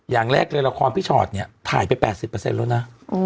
อย่างแรกเลยความพิชอดถ่ายไป๘๐แล้วน่ะ